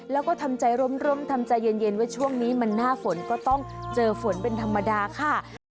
แล้วก็ทำใจร่มทำใจเย็นว่าช่วงนี้มันหน้าฝนก็ต้องเจอฝนเป็นธรรมดาค่ะ